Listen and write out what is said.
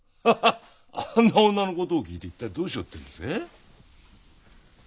あんな女の事を聞いて一体どうしようっていうんです？